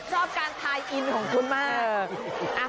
ชอบการไทอินม์ของคุณมาก